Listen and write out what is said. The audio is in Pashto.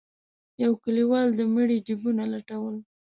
يو کليوال د مړي جيبونه لټول.